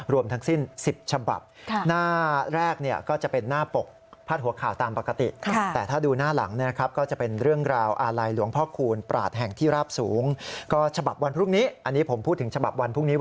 รวมทั้งสิ้น๑๐ฉบับ